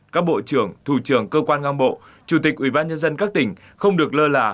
các bộ trưởng thủ trưởng cơ quan ngang bộ chủ tịch ubnd các tỉnh không được lơ là